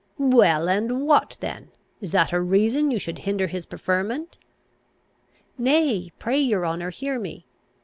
"Well, and what then? Is that a reason you should hinder his preferment?" "Nay, pray your honour, hear me.